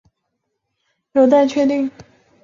锯脂鲤亚科与其他脂鲤目的关系仍有待确定。